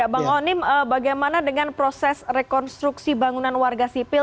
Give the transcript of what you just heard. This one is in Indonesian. bang onim bagaimana dengan proses rekonstruksi bangunan warga sipil